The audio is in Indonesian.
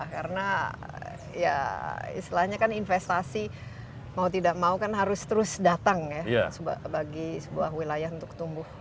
karena ya istilahnya kan investasi mau tidak mau kan harus terus datang ya bagi sebuah wilayah untuk tumbuh